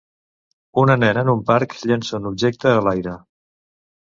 Una nena en un parc llença un objecte a l'aire